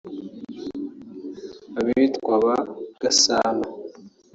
abitwa ba Gasana